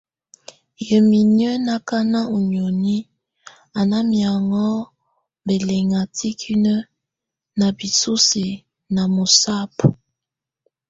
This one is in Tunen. Yə mi inyə́ na kaná u níoni a ná miaŋɔ́ pɛlɛŋa tikínə na pisúsu na mɔsapa.